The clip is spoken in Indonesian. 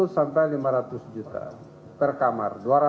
dua ratus sampai lima ratus juta per kamar